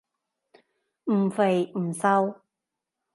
唔肥唔瘦